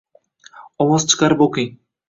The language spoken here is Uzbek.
Ovoz chiqarib oʻqing